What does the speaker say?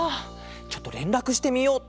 ちょっとれんらくしてみよう。